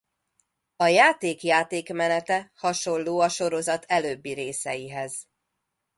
A játék játékmenete hasonló a sorozat előbbi részeihez.